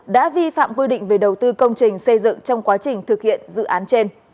đã vi phạm quy định về đầu tư công trình xây dựng trong quá trình thực hiện dự án trên